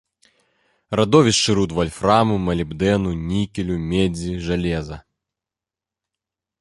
Радовішчы руд вальфраму, малібдэну, нікелю, медзі, жалеза.